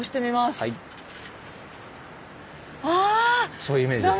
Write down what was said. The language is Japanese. そういうイメージです。